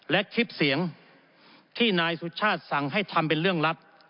และคลิปเสียงที่นายสุชาติสั่งให้ทำเป็นเรื่องลับ